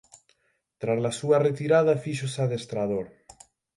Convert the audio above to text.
Trala súa retirada fíxose adestrador.